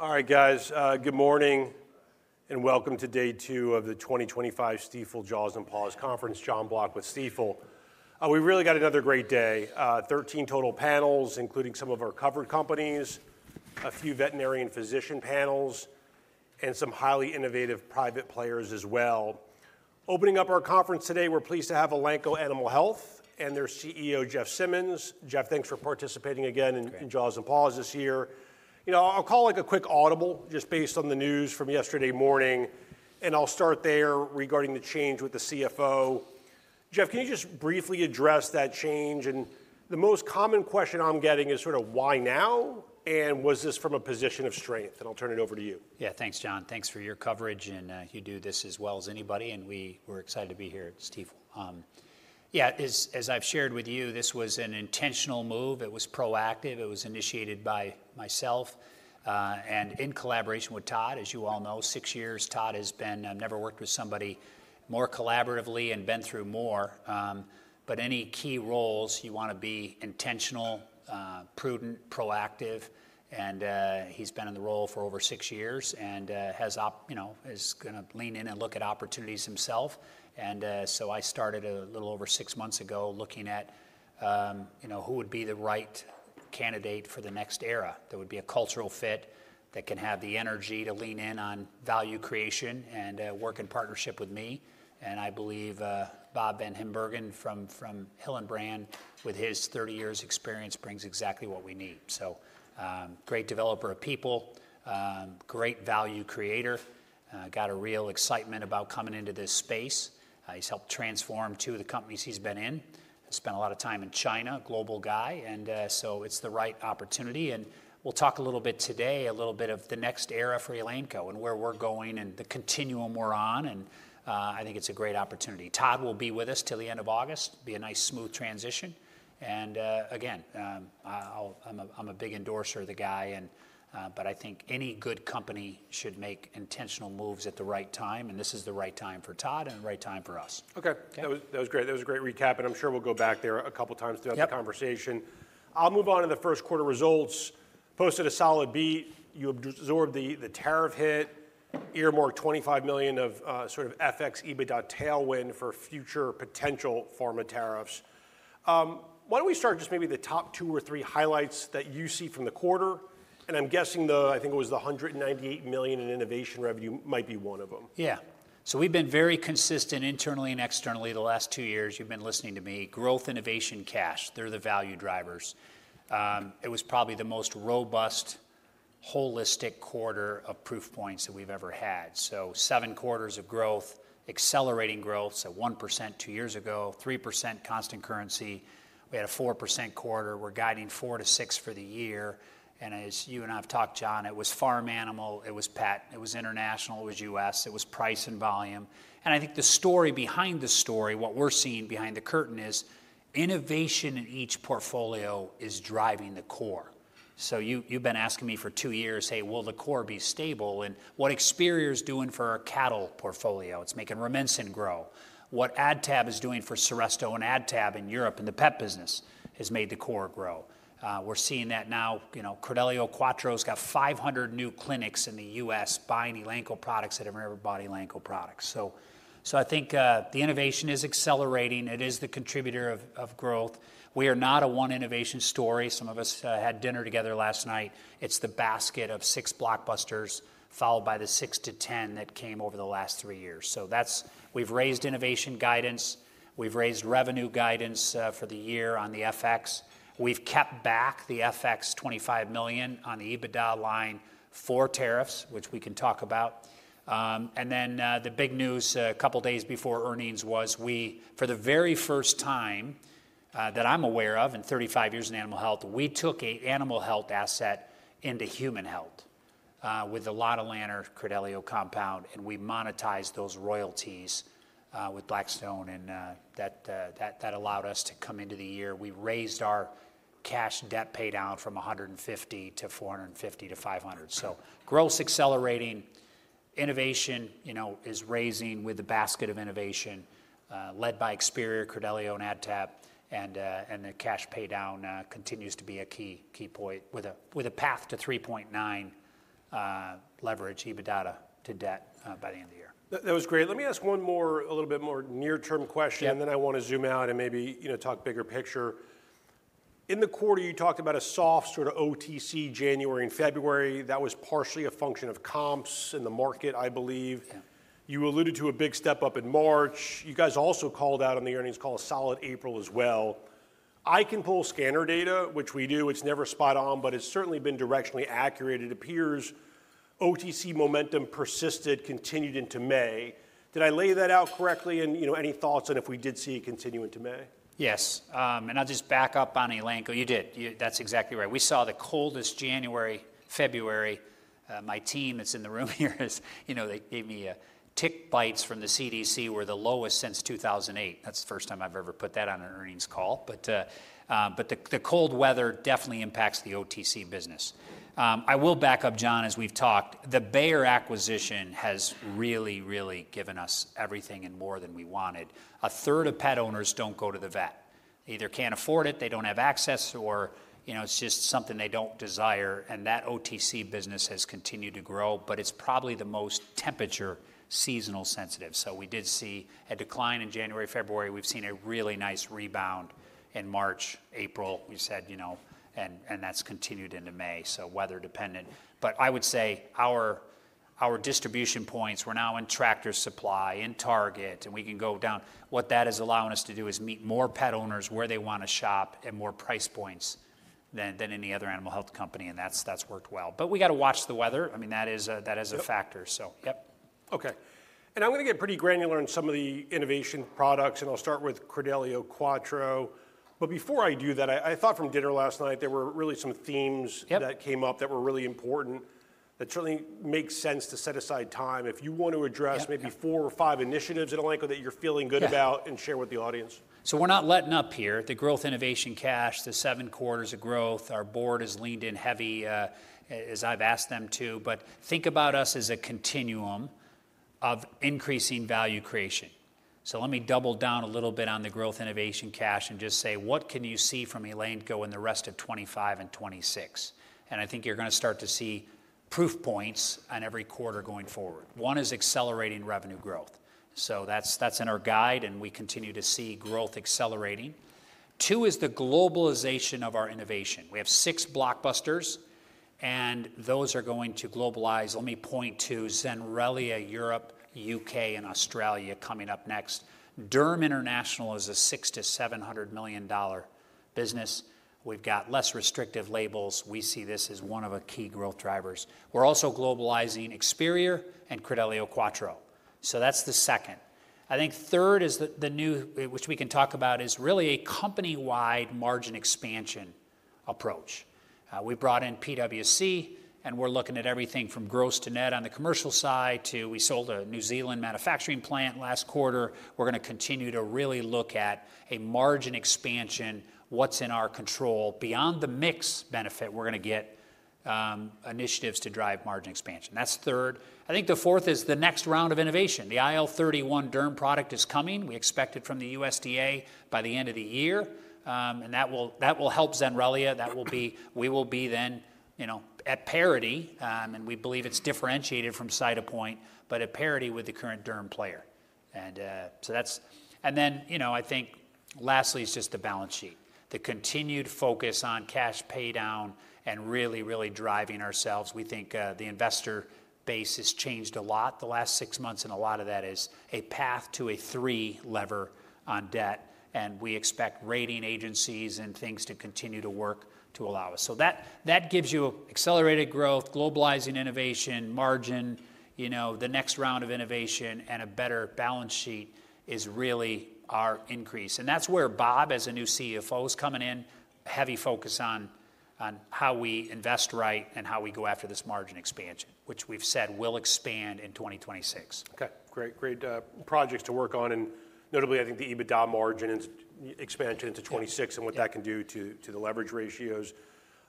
All right, guys, good morning and welcome to day two of the 2025 Stifel Jaws and Paws conference, John Block with Stifel. We really got another great day: 13 total panels, including some of our covered companies, a few veterinarian physician panels, and some highly innovative private players as well. Opening up our conference today, we're pleased to have Elanco Animal Health and their CEO, Jeff Simmons. Jeff, thanks for participating again in Jaws and Paws this year. You know, I'll call it a quick audible just based on the news from yesterday morning, and I'll start there regarding the change with the CFO. Jeff, can you just briefly address that change? The most common question I'm getting is sort of, why now? Was this from a position of strength? I'll turn it over to you. Yeah, thanks, John. Thanks for your coverage. You do this as well as anybody, and we're excited to be here at Stifel. As I've shared with you, this was an intentional move. It was proactive. It was initiated by myself and in collaboration with Todd, as you all know, six years. Todd has never worked with somebody more collaboratively and been through more. Any key roles, you want to be intentional, prudent, proactive. He's been in the role for over six years and is going to lean in and look at opportunities himself. I started a little over six months ago looking at who would be the right candidate for the next era that would be a cultural fit that can have the energy to lean in on value creation and work in partnership with me. I believe Bob VanHimbergen from Hillenbrand, with his 30 years experience, brings exactly what we need. Great developer of people, great value creator, got a real excitement about coming into this space. He's helped transform two of the companies he's been in. He's spent a lot of time in China, a global guy. It is the right opportunity. We'll talk a little bit today, a little bit of the next era for Elanco and where we're going and the continuum we're on. I think it's a great opportunity. Todd will be with us till the end of August, be a nice smooth transition. Again, I'm a big endorser of the guy. I think any good company should make intentional moves at the right time. This is the right time for Todd and the right time for us. Okay, that was great. That was a great recap. I'm sure we'll go back there a couple of times throughout the conversation. I'll move on to the first quarter results. Posted a solid beat. You absorbed the tariff hit, earmarked $25 million of sort of FX EBITDA tailwind for future potential pharma tariffs. Why don't we start just maybe the top two or three highlights that you see from the quarter? I'm guessing though, I think it was the $198 million in innovation revenue might be one of them. Yeah, so we've been very consistent internally and externally the last two years. You've been listening to me. Growth, innovation, cash, they're the value drivers. It was probably the most robust, holistic quarter of proof points that we've ever had. Seven quarters of growth, accelerating growth, so 1% two years ago, 3% constant currency. We had a 4% quarter. We're guiding 4%-6% for the year. As you and I have talked, John, it was farm animal, it was pet, it was international, it was U.S., it was price and volume. I think the story behind the story, what we're seeing behind the curtain is innovation in each portfolio is driving the core. You've been asking me for two years, hey, will the core be stable? What Experior is doing for our cattle portfolio, it's making Rumensin grow. What AdTab is doing for Seresto and AdTab in Europe and the pet business has made the core grow. We're seeing that now. Credelio Quattro's got 500 new clinics in the U.S. buying Elanco products that have never bought Elanco products. I think the innovation is accelerating. It is the contributor of growth. We are not a one innovation story. Some of us had dinner together last night. It's the basket of six blockbusters followed by the six to ten that came over the last three years. We've raised innovation guidance. We've raised revenue guidance for the year on the FX. We've kept back the FX $25 million on the EBITDA line for tariffs, which we can talk about. The big news a couple of days before earnings was we, for the very first time that I'm aware of in 35 years in animal health, we took an animal health asset into human health with a lot of lantern Credelio compound. We monetized those royalties with Blackstone and that allowed us to come into the year. We raised our cash debt pay down from $150 million to $450 million to $500 million. Growth's accelerating. Innovation is raising with the basket of innovation led by Experior, Credelio, and AdTab. The cash pay down continues to be a key point with a path to 3.9 leverage EBITDA to debt by the end of the year. That was great. Let me ask one more, a little bit more near-term question, and then I want to zoom out and maybe talk bigger picture. In the quarter, you talked about a soft sort of OTC January and February. That was partially a function of comps in the market, I believe. You alluded to a big step up in March. You guys also called out on the earnings call a solid April as well. I can pull scanner data, which we do. It's never spot on, but it's certainly been directionally accurate. It appears OTC momentum persisted, continued into May. Did I lay that out correctly? Any thoughts on if we did see a continuing to May? Yes. I'll just back up on Elanco. You did. That's exactly right. We saw the coldest January, February. My team that's in the room here, they gave me tick bites from the CDC, were the lowest since 2008. That's the first time I've ever put that on an earnings call. The cold weather definitely impacts the OTC business. I will back up, John, as we've talked. The Bayer acquisition has really, really given us everything and more than we wanted. A third of pet owners don't go to the vet. They either can't afford it, they don't have access, or it's just something they don't desire. That OTC business has continued to grow, but it's probably the most temperature seasonal sensitive. We did see a decline in January, February. We've seen a really nice rebound in March, April, we said, and that's continued into May. Weather dependent. I would say our distribution points, we're now in Tractor Supply, in Target, and we can go down. What that is allowing us to do is meet more pet owners where they want to shop and more price points than any other animal health company. That has worked well. We got to watch the weather. I mean, that is a factor. Yep. Okay. I'm going to get pretty granular on some of the innovation products, and I'll start with Credelio Quattro. Before I do that, I thought from dinner last night, there were really some themes that came up that were really important that certainly make sense to set aside time if you want to address maybe four or five initiatives at Elanco that you're feeling good about and share with the audience. We're not letting up here. The growth innovation cash, the seven quarters of growth, our board has leaned in heavy as I've asked them to. Think about us as a continuum of increasing value creation. Let me double down a little bit on the growth innovation cash and just say, what can you see from Elanco in the rest of 2025 and 2026? I think you're going to start to see proof points on every quarter going forward. One is accelerating revenue growth. That's in our guide, and we continue to see growth accelerating. Two is the globalization of our innovation. We have six blockbusters, and those are going to globalize. Let me point to Zenrelia Europe, U.K., and Australia coming up next. Durham International is a $600 million-$700 million business. We've got less restrictive labels. We see this as one of our key growth drivers. We're also globalizing Experior and Credelio Quattro. That's the second. I think third is the new, which we can talk about, is really a company-wide margin expansion approach. We brought in PwC, and we're looking at everything from gross to net on the commercial side to we sold a New Zealand manufacturing plant last quarter. We're going to continue to really look at a margin expansion, what's in our control beyond the mix benefit we're going to get, initiatives to drive margin expansion. That's third. I think the fourth is the next round of innovation. The IL-31 Durham product is coming. We expect it from the USDA by the end of the year. That will help Zenrelia. We will be then at parity, and we believe it's differentiated from Cytopoint, but at parity with the current Durham player. You know, I think lastly is just the balance sheet. The continued focus on cash pay down and really, really driving ourselves. We think the investor base has changed a lot the last six months, and a lot of that is a path to a three lever on debt. We expect rating agencies and things to continue to work to allow us. That gives you accelerated growth, globalizing innovation, margin, the next round of innovation, and a better balance sheet is really our increase. That is where Bob, as a new CFO, is coming in, heavy focus on how we invest right and how we go after this margin expansion, which we have said will expand in 2026. Okay, great. Great projects to work on. Notably, I think the EBITDA margin expansion to 2026 and what that can do to the leverage ratios.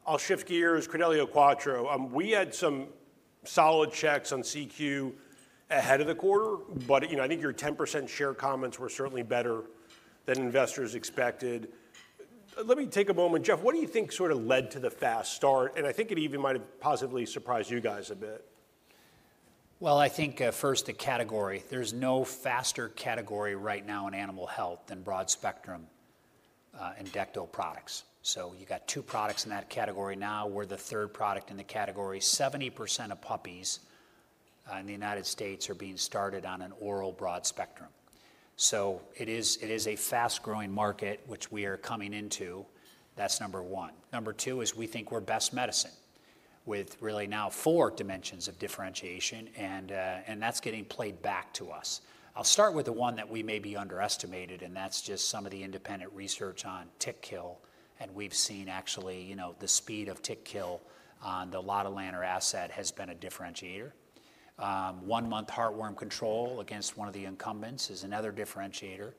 I'll shift gears. Credelio Quattro, we had some solid checks on CQ ahead of the quarter, but I think your 10% share comments were certainly better than investors expected. Let me take a moment. Jeff, what do you think sort of led to the fast start? I think it even might have positively surprised you guys a bit. I think first the category. There is no faster category right now in animal health than broad spectrum and decto products. You have two products in that category now. We are the third product in the category. 70% of puppies in the U.S. are being started on an oral broad spectrum. It is a fast-growing market, which we are coming into. That is number one. Number two is we think we are best medicine with really now four dimensions of differentiation, and that is getting played back to us. I will start with the one that we may have underestimated, and that is just some of the independent research on tick kill. We have seen actually the speed of tick kill on the lotilaner asset has been a differentiator. One-month heartworm control against one of the incumbents is another differentiator.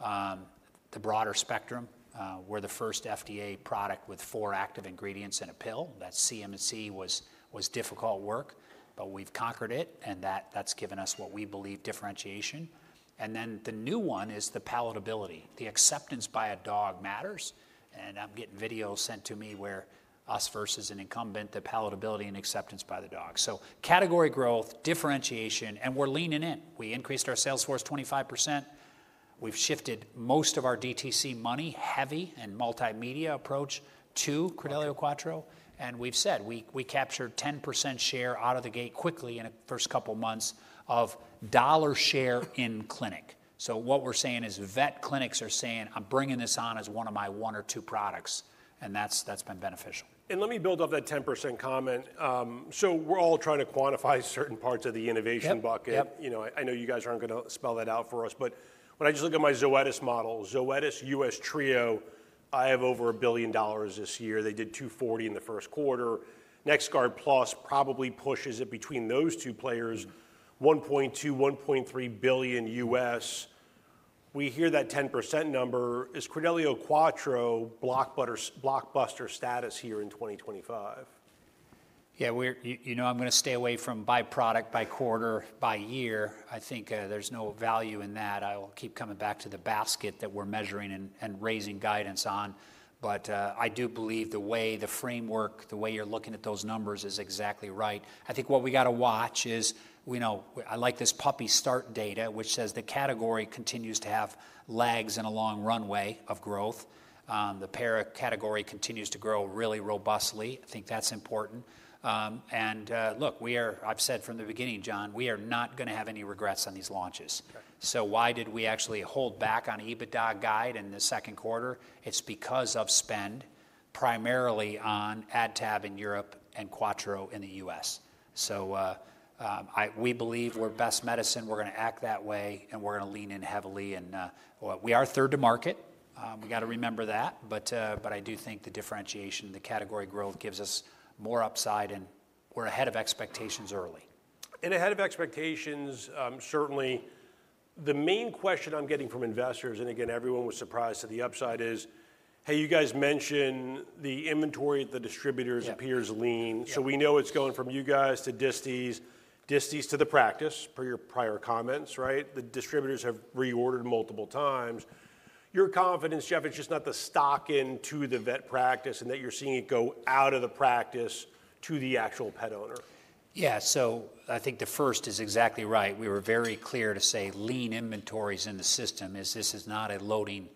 The broader spectrum, we're the first FDA product with four active ingredients in a pill. That CMC was difficult work, but we've conquered it, and that's given us what we believe differentiation. The new one is the palatability. The acceptance by a dog matters. I'm getting videos sent to me where us versus an incumbent, the palatability and acceptance by the dog. Category growth, differentiation, and we're leaning in. We increased our sales force 25%. We've shifted most of our DTC money heavy and multimedia approach to Credelio Quattro. We've said we captured 10% share out of the gate quickly in the first couple of months of dollar share in clinic. What we're saying is vet clinics are saying, "I'm bringing this on as one of my one or two products," and that's been beneficial. Let me build off that 10% comment. We're all trying to quantify certain parts of the innovation bucket. I know you guys aren't going to spell that out for us, but when I just look at my Zoetis model, Zoetis US Trio, I have over $1 billion this year. They did $240 million in the first quarter. Next Guard Plus probably pushes it between those two players, $1.2 billion-$1.3 billion U.S.. We hear that 10% number. Is Credelio Quattro blockbuster status here in 2025? Yeah, you know I'm going to stay away from by product, by quarter, by year. I think there's no value in that. I will keep coming back to the basket that we're measuring and raising guidance on. I do believe the way the framework, the way you're looking at those numbers is exactly right. I think what we got to watch is I like this puppy start data, which says the category continues to have legs and a long runway of growth. The pet category continues to grow really robustly. I think that's important. Look, I've said from the beginning, John, we are not going to have any regrets on these launches. Why did we actually hold back on EBITDA guide in the second quarter? It's because of spend primarily on AdTab in Europe and Quattro in the U.S.. We believe we're best medicine. We're going to act that way, and we're going to lean in heavily. We are third to market. We got to remember that. I do think the differentiation, the category growth gives us more upside, and we're ahead of expectations early. Ahead of expectations, certainly the main question I'm getting from investors, and again, everyone was surprised to the upside is, hey, you guys mentioned the inventory at the distributors appears lean. We know it's going from you guys to dists, dists to the practice per your prior comments, right? The distributors have reordered multiple times. Your confidence, Jeff, it's just not the stock into the vet practice and that you're seeing it go out of the practice to the actual pet owner. Yeah. I think the first is exactly right. We were very clear to say lean inventories in the system is this is not a loading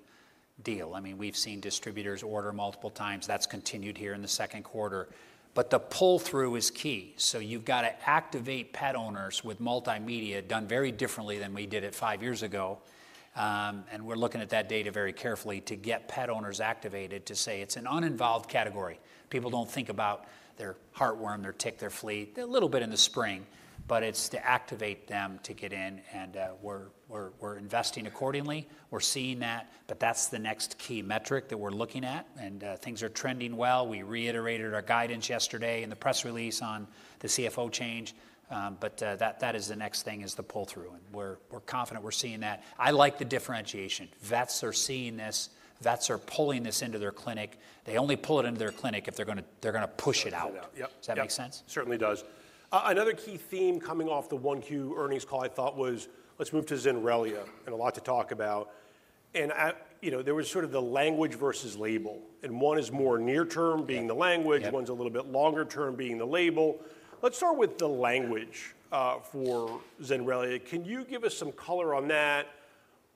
deal. I mean, we've seen distributors order multiple times. That's continued here in the second quarter. The pull-through is key. You have to activate pet owners with multimedia done very differently than we did it five years ago. We're looking at that data very carefully to get pet owners activated to say it's an uninvolved category. People do not think about their heartworm, their tick, their flea. They're a little bit in the spring, but it is to activate them to get in. We're investing accordingly. We're seeing that, and that's the next key metric that we're looking at. Things are trending well. We reiterated our guidance yesterday in the press release on the CFO change. That is the next thing, is the pull-through. We are confident we are seeing that. I like the differentiation. Vets are seeing this. Vets are pulling this into their clinic. They only pull it into their clinic if they are going to push it out. Does that make sense? Certainly does. Another key theme coming off the one Q earnings call I thought was, let's move to Zenrelia. And a lot to talk about. There was sort of the language versus label. One is more near-term being the language. One's a little bit longer-term being the label. Let's start with the language for Zenrelia. Can you give us some color on that?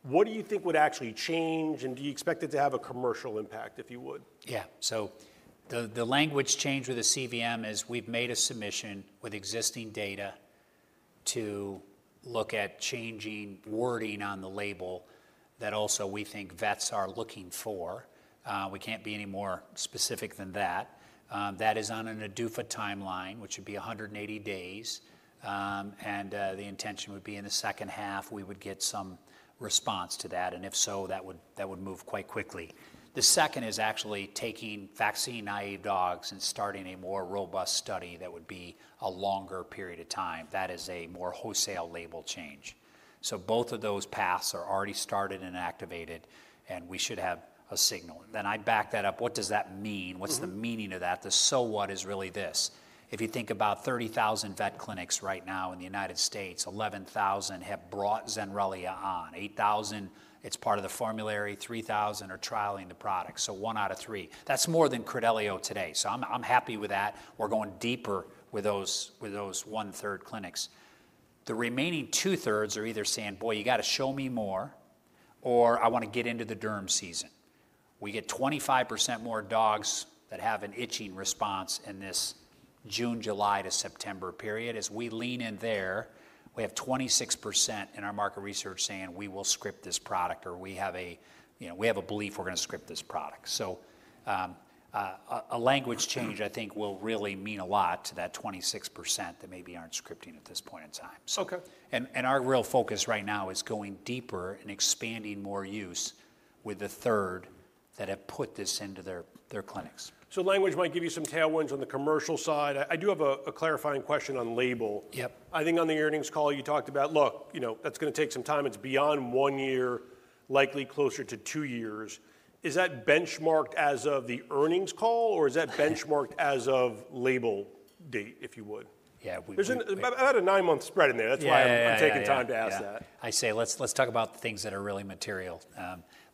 What do you think would actually change? Do you expect it to have a commercial impact, if you would? Yeah. The language change with the CVM is we've made a submission with existing data to look at changing wording on the label that also we think vets are looking for. We can't be any more specific than that. That is on an ADUFA timeline, which would be 180 days. The intention would be in the second half, we would get some response to that. If so, that would move quite quickly. The second is actually taking vaccine naive dogs and starting a more robust study that would be a longer period of time. That is a more wholesale label change. Both of those paths are already started and activated, and we should have a signal. I back that up. What does that mean? What's the meaning of that? The so what is really this? If you think about 30,000 vet clinics right now in the U.S., 11,000 have brought Zenrelia on. 8,000, it is part of the formulary. 3,000 are trialing the product. One out of three. That is more than Credelio today. I am happy with that. We are going deeper with those one-third clinics. The remaining two-thirds are either saying, "Boy, you got to show me more," or "I want to get into the Durham season." We get 25% more dogs that have an itching response in this June, July to September period. As we lean in there, we have 26% in our market research saying, "We will script this product," or "We have a belief we are going to script this product." A language change, I think, will really mean a lot to that 26% that maybe are not scripting at this point in time. Our real focus right now is going deeper and expanding more use with the third that have put this into their clinics. Language might give you some tailwinds on the commercial side. I do have a clarifying question on label. I think on the earnings call, you talked about, "Look, that's going to take some time. It's beyond one year, likely closer to two years." Is that benchmarked as of the earnings call, or is that benchmarked as of label date, if you would? Yeah. There's about a nine-month spread in there. That's why I'm taking time to ask that. I say, "Let's talk about the things that are really material,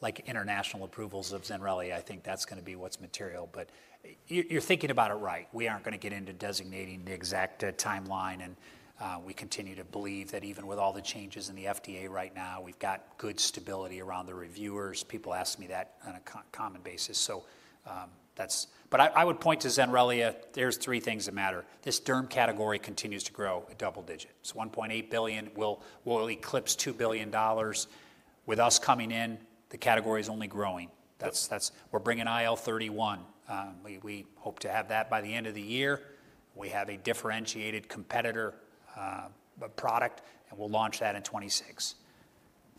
like international approvals of Zenrelia." I think that's going to be what's material. You're thinking about it right. We aren't going to get into designating the exact timeline. We continue to believe that even with all the changes in the FDA right now, we've got good stability around the reviewers. People ask me that on a common basis. I would point to Zenrelia. There are three things that matter. This Durham category continues to grow at double digit. It's $1.8 billion. We'll eclipse $2 billion. With us coming in, the category is only growing. We're bringing IL-31. We hope to have that by the end of the year. We have a differentiated competitor product, and we'll launch that in 2026.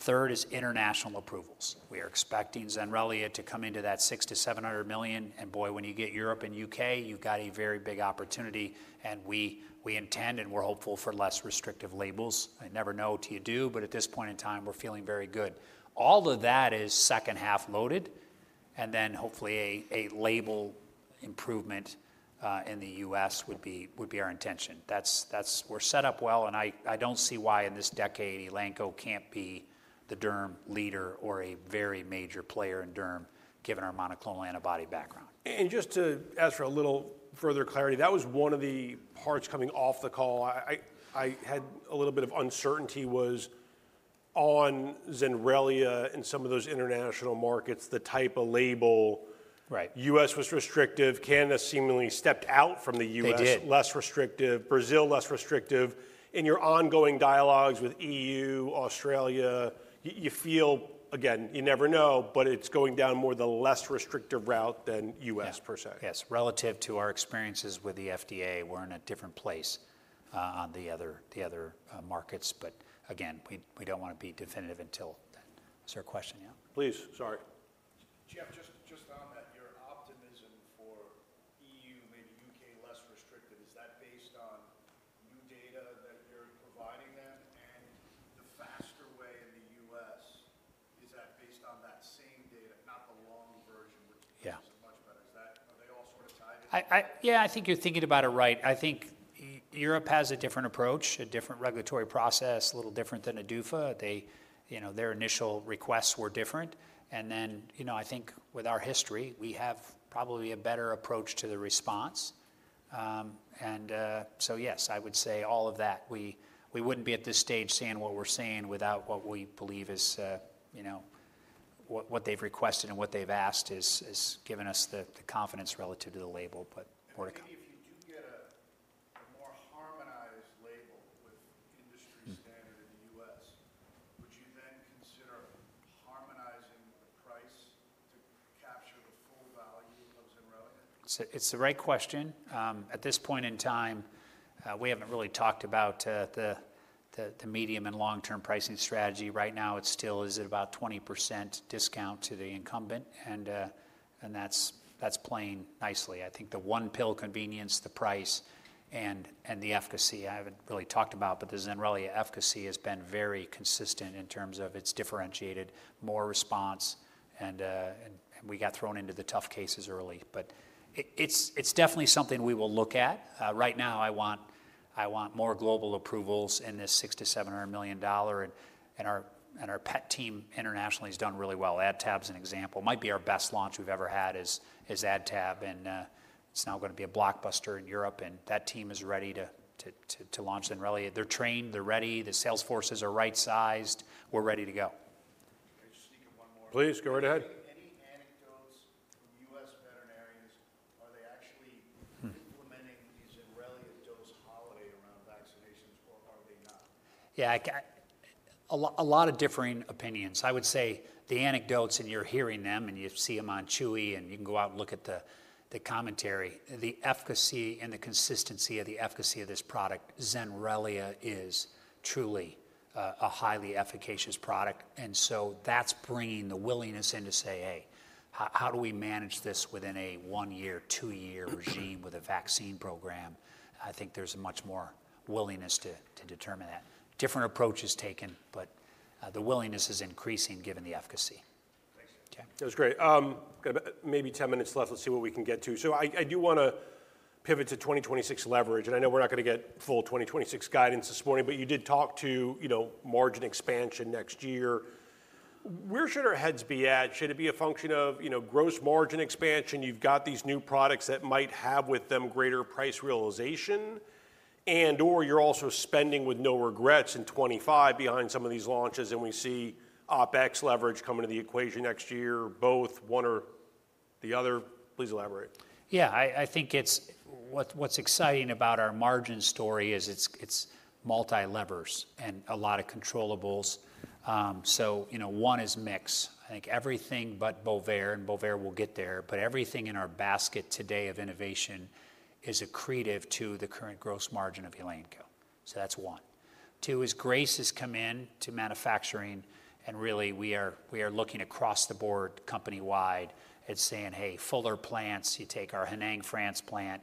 Third is international approvals. We are expecting Zenrelia to come into that $600 million-$700 million. When you get Europe and the U.K., you've got a very big opportunity. We intend and we're hopeful for less restrictive labels. I never know what you do, but at this point in time, we're feeling very good. All of that is second half loaded. Hopefully a label improvement in the U.S. would be our intention. We're set up well, and I don't see why in this decade Elanco can't be the Durham leader or a very major player in Durham, given our monoclonal antibody background. Just to ask for a little further clarity, that was one of the parts coming off the call. I had a little bit of uncertainty was on Zenrelia and some of those international markets, the type of label. U.S. was restrictive. Canada seemingly stepped out from the U.S. They did. Less restrictive. Brazil, less restrictive. In your ongoing dialogues with EU, Australia, you feel, again, you never know, but it's going down more the less restrictive route than U.S. per se. Yes. Relative to our experiences with the FDA, we're in a different place on the other markets. Again, we don't want to be definitive until that. Is there a question? Yeah. Please. Sorry. Jeff, just on that, your optimism for EU, maybe U.K. less restricted, is that based on new data that you're providing them? The faster way in the U.S., is that based on that same data, not the long version, which is much better? Are they all sort of tied in? Yeah, I think you're thinking about it right. I think Europe has a different approach, a different regulatory process, a little different than ADUFA. Their initial requests were different. I think with our history, we have probably a better approach to the response. Yes, I would say all of that. We wouldn't be at this stage saying what we're saying without what we believe is what they've requested and what they've asked has given us the confidence relative to the label. If you do get a more harmonized label with industry standard in the U.S., would you then consider harmonizing the price to capture the full value of Zenrelia? It's the right question. At this point in time, we haven't really talked about the medium and long-term pricing strategy. Right now, it still is about 20% discount to the incumbent. That's playing nicely. I think the one pill convenience, the price, and the efficacy. I haven't really talked about, but the Zenrelia efficacy has been very consistent in terms of its differentiated, more response. We got thrown into the tough cases early. It's definitely something we will look at. Right now, I want more global approvals in this $600 million-$700 million. Our pet team internationally has done really well. AdTab's an example. It might be our best launch we've ever had is AdTab. It's now going to be a blockbuster in Europe. That team is ready to launch Zenrelia. They're trained. They're ready. The sales forces are right-sized. We're ready to go. Can I just sneak in one more? Please, go right ahead. Any anecdotes from U.S. veterinarians? Are they actually implementing the Zenrelia dose holiday around vaccinations, or are they not? Yeah, a lot of differing opinions. I would say the anecdotes, and you're hearing them, and you see them on Chewy, and you can go out and look at the commentary. The efficacy and the consistency of the efficacy of this product, Zenrelia, is truly a highly efficacious product. That is bringing the willingness in to say, "Hey, how do we manage this within a one-year, two-year regime with a vaccine program?" I think there's much more willingness to determine that. Different approaches taken, but the willingness is increasing given the efficacy. Thanks. That was great. Maybe 10 minutes left. Let's see what we can get to. I do want to pivot to 2026 leverage. I know we're not going to get full 2026 guidance this morning, but you did talk to margin expansion next year. Where should our heads be at? Should it be a function of gross margin expansion? You've got these new products that might have with them greater price realization, and/or you're also spending with no regrets in 2025 behind some of these launches, and we see OpEx leverage coming to the equation next year, both one or the other. Please elaborate. Yeah, I think what's exciting about our margin story is it's multi-levers and a lot of controllables, so one is mix. I think everything but Bovaer, and Bovaer will get there, but everything in our basket today of innovation is accretive to the current gross margin of Elanco. So that's one. Two is Grace has come into manufacturing, and really we are looking across the board company-wide at saying, "Hey, fuller plants, you take our Hénin, France plant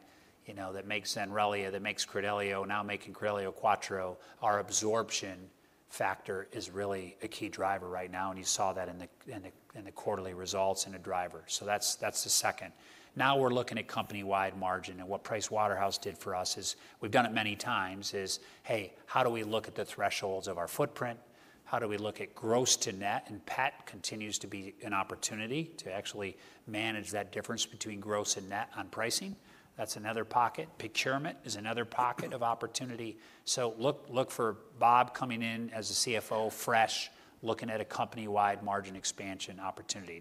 that makes Zenrelia, that makes Credelio, now making Credelio Quattro, our absorption factor is really a key driver right now." You saw that in the quarterly results and a driver. That's the second. Now we're looking at company-wide margin, and what PwC did for us is we've done it many times is, "Hey, how do we look at the thresholds of our footprint? How do we look at gross to net? Pet continues to be an opportunity to actually manage that difference between gross and net on pricing. That is another pocket. Procurement is another pocket of opportunity. Look for Bob coming in as CFO fresh, looking at a company-wide margin expansion opportunity.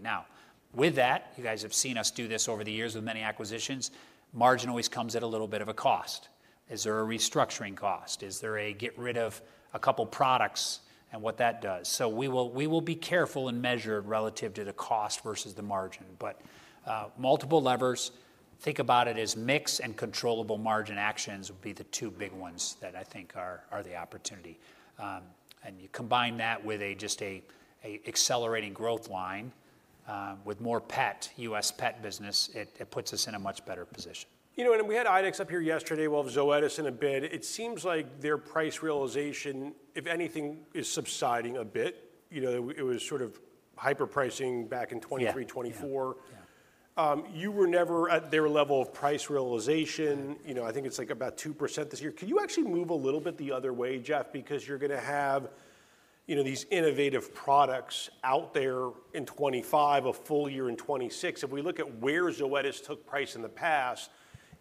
You have seen us do this over the years with many acquisitions. Margin always comes at a little bit of a cost. Is there a restructuring cost? Is there a get rid of a couple of products and what that does? We will be careful and measured relative to the cost versus the margin. Multiple levers, think about it as mix and controllable margin actions would be the two big ones that I think are the opportunity. You combine that with just an accelerating growth line with more pet, U.S. pet business, it puts us in a much better position. You know, and we had IDEXX up here yesterday. We'll have Zoetis in a bit. It seems like their price realization, if anything, is subsiding a bit. It was sort of hyper-pricing back in 2023, 2024. You were never at their level of price realization. I think it's like about 2% this year. Can you actually move a little bit the other way, Jeff, because you're going to have these innovative products out there in 2025, a full year in 2026? If we look at where Zoetis took price in the past,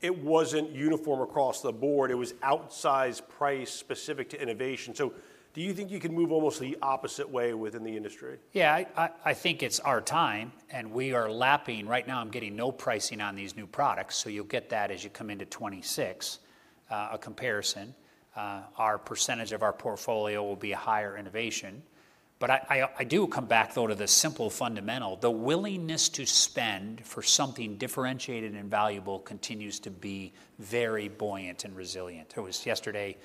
it wasn't uniform across the board. It was outsized price specific to innovation. So do you think you can move almost the opposite way within the industry? Yeah, I think it's our time, and we are lapping. Right now, I'm getting no pricing on these new products. You'll get that as you come into 2026, a comparison. Our percentage of our portfolio will be higher innovation. I do come back, though, to the simple fundamental. The willingness to spend for something differentiated and valuable continues to be very buoyant and resilient. I was yesterday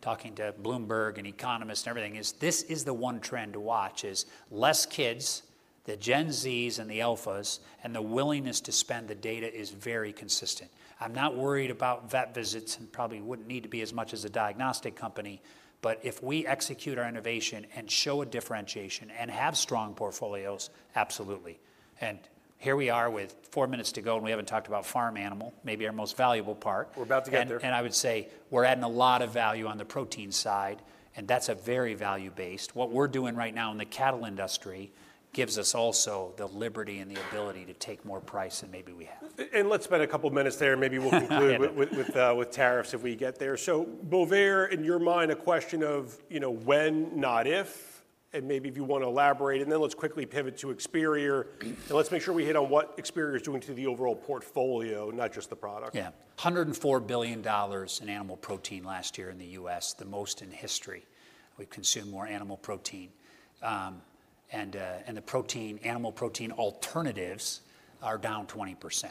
talking to Bloomberg and economists and everything. This is the one trend to watch is less kids, the Gen Zs and the Alphas, and the willingness to spend, the data is very consistent. I'm not worried about vet visits and probably wouldn't need to be as much as a diagnostic company, but if we execute our innovation and show a differentiation and have strong portfolios, absolutely. Here we are with four minutes to go, and we haven't talked about farm animal, maybe our most valuable part. We're about to get there. I would say we're adding a lot of value on the protein side, and that's very value-based. What we're doing right now in the cattle industry gives us also the liberty and the ability to take more price than maybe we have. Let's spend a couple of minutes there, and maybe we'll conclude with tariffs if we get there. Bovaire, in your mind, a question of when, not if, and maybe if you want to elaborate. Let's quickly pivot to Experia. Let's make sure we hit on what Experia is doing to the overall portfolio, not just the product. Yeah. $104 billion in animal protein last year in the U.S., the most in history. We've consumed more animal protein. The animal protein alternatives are down 20%.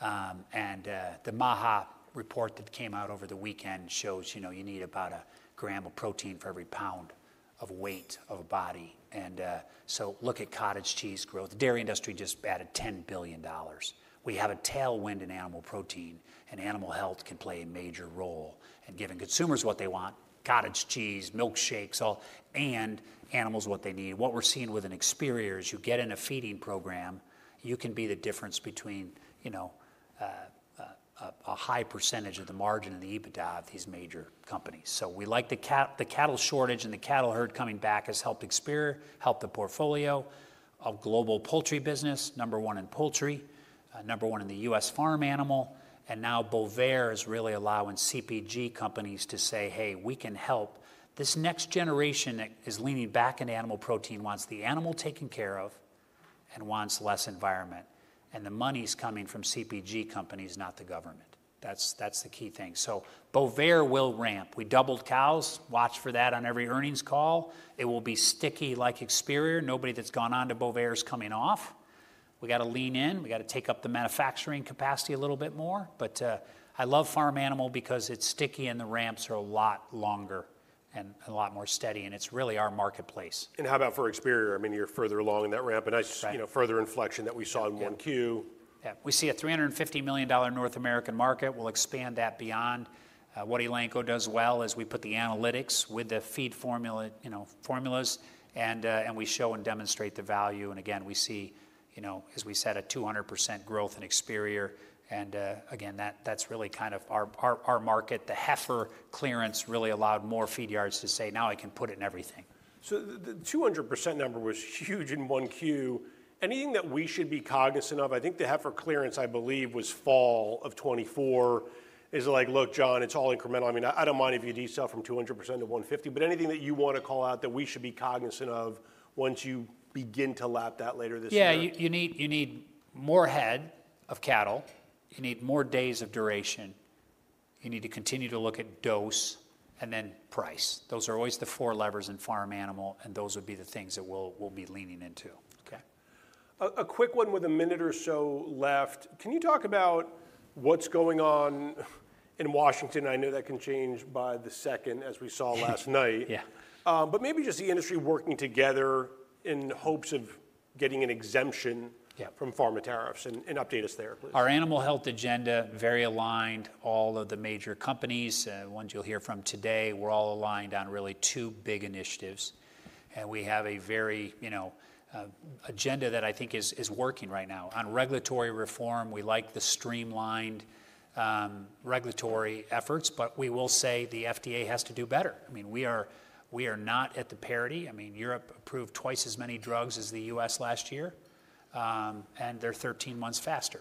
The Maha report that came out over the weekend shows, you know, you need about a gram of protein for every pound of weight of a body. Look at cottage cheese growth. The dairy industry just added $10 billion. We have a tailwind in animal protein, and animal health can play a major role. Giving consumers what they want, cottage cheese, milkshakes, and animals what they need. What we're seeing with an Experior is you get in a feeding program, you can be the difference between a high percentage of the margin and the EBITDA of these major companies. We like the cattle shortage, and the cattle herd coming back has helped Experior, helped the portfolio of global poultry business, number one in poultry, number one in the US farm animal. Now Bovaire is really allowing CPG companies to say, "Hey, we can help." This next generation that is leaning back into animal protein wants the animal taken care of and wants less environment. The money's coming from CPG companies, not the government. That's the key thing. Bovaer will ramp. We doubled cows. Watch for that on every earnings call. It will be sticky like Experior. Nobody that's gone on to Bovaer is coming off. We got to lean in. We got to take up the manufacturing capacity a little bit more. I love farm animal because it's sticky and the ramps are a lot longer and a lot more steady. It is really our marketplace. How about for Experior? I mean, you're further along in that ramp and further inflection that we saw in 1Q. Yeah. We see a $350 million North American market. We will expand that beyond what Elanco does well as we put the analytics with the feed formulas and we show and demonstrate the value. Again, we see, as we said, a 200% growth in Experior. Again, that is really kind of our market. The heifer clearance really allowed more feed yards to say, "Now I can put it in everything. The 200% number was huge in 1Q. Anything that we should be cognizant of? I think the heifer clearance, I believe, was fall of 2024. It's like, "Look, John, it's all incremental." I mean, I don't mind if you desell from 200% to 150%, but anything that you want to call out that we should be cognizant of once you begin to lap that later this year? Yeah, you need more head of cattle. You need more days of duration. You need to continue to look at dose and then price. Those are always the four levers in farm animal, and those would be the things that we'll be leaning into. Okay. A quick one with a minute or so left. Can you talk about what's going on in Washington? I know that can change by the 2nd, as we saw last night. Maybe just the industry working together in hopes of getting an exemption from pharma tariffs and update us there, please. Our animal health agenda, very aligned. All of the major companies, the ones you'll hear from today, we're all aligned on really two big initiatives. We have a very agenda that I think is working right now. On regulatory reform, we like the streamlined regulatory efforts, but we will say the FDA has to do better. I mean, we are not at the parity. I mean, Europe approved twice as many drugs as the U.S. last year, and they're 13 months faster.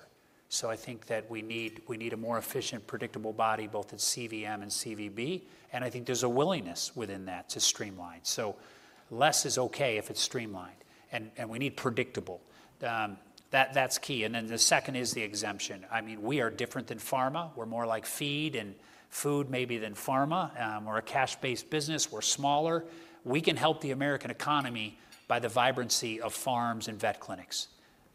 I think that we need a more efficient, predictable body, both at CVM and CVB. I think there's a willingness within that to streamline. Less is okay if it's streamlined. We need predictable. That's key. The second is the exemption. I mean, we are different than pharma. We're more like feed and food maybe than pharma. We're a cash-based business. We're smaller. We can help the American economy by the vibrancy of farms and vet clinics.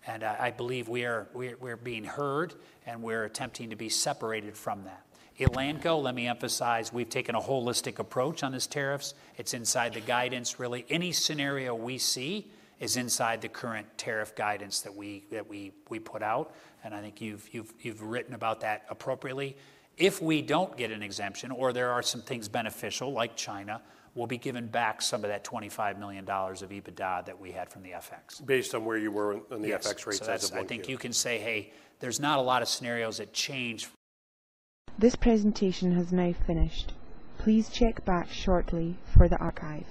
I believe we're being heard, and we're attempting to be separated from that. Elanco, let me emphasize, we've taken a holistic approach on these tariffs. It's inside the guidance, really. Any scenario we see is inside the current tariff guidance that we put out. I think you've written about that appropriately. If we don't get an exemption or there are some things beneficial, like China, we'll be given back some of that $25 million of EBITDA that we had from the FX. Based on where you were on the FX rates as of 1Q. I think you can say, "Hey, there's not a lot of scenarios that change. This presentation has now finished. Please check back shortly for the archive.